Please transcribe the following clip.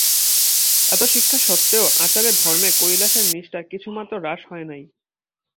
এত শিক্ষা সত্ত্বেও আচারে ধর্মে কৈলাসের নিষ্টা কিছুমাত্র হ্রাস হয় নাই।